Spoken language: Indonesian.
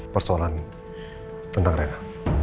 persoalan tentang rena